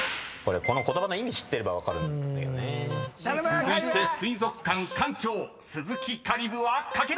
［続いて水族館館長鈴木香里武は書けるか⁉］